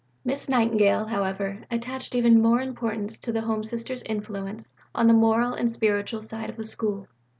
Miss Nightingale, however, attached even more importance to the Home Sister's influence on the moral and spiritual side of the School.